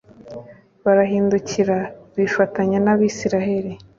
barahindukira bifatanya n'abayisraheli